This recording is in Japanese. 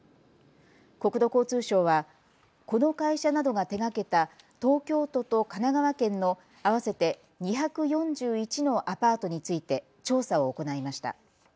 国土交通省はこの会社などが手がけた東京都と神奈川県の合わせて２４１のアパートについて調査を行いました。